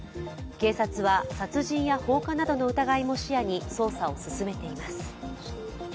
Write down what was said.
警察は殺人や放火などの疑いも視野に捜査を進めています。